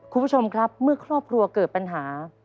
คุณผู้ชมครับเมื่อครอบครัวเกิดปัญหา